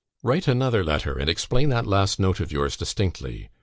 "Write another letter, and explain that last note of yours distinctly.